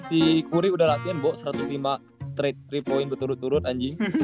si kuri udah latihan bo satu ratus lima straight tiga point betul betul anjing